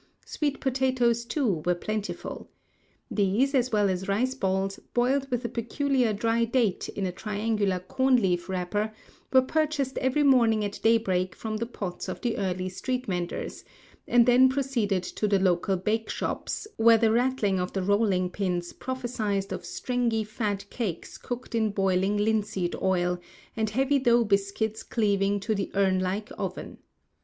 Sweet potatoes, too, were plentiful. These, as well as rice balls, boiled with a peculiar dry date in a triangular corn leaf wrapper, we purchased every morning at daybreak from the pots of the early street venders, and then proceeded to the local bake shops, where the rattling of the rolling pins prophesied of stringy fat cakes cooked in boiling linseed oil, and heavy dough biscuits cleaving to the urn like oven.